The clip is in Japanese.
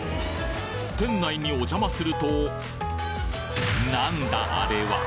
店内にお邪魔するとなんだあれは！？